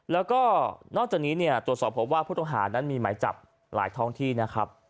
แล้วก็นอกจากนี้เนี่ยตรวจสอบพบว่าผู้ต้องหานั้นมีหมายจับหลายท้องที่นะครับ